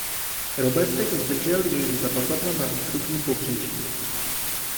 Robertek zdržel jejich zavazadla na východním pobřeží!